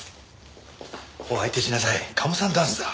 お相手しなさいカモさんダンスだ。